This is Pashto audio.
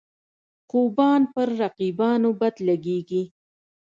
خوبان پر رقیبانو بد لګيږي.